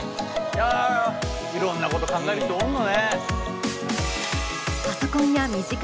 いやいろんなこと考える人おんのね。